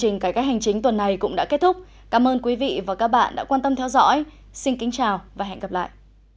chương trình cải cách hành chính tuần này cũng đã kết thúc cảm ơn quý vị và các bạn đã quan tâm theo dõi xin kính chào và hẹn gặp lại